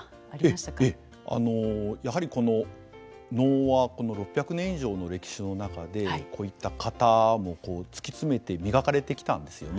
やはりこの能はこの６００年以上の歴史の中でこういった型も突き詰めて磨かれてきたんですよね。